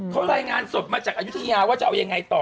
เขารายงานสดมาจากอายุทยาว่าจะเอายังไงต่อ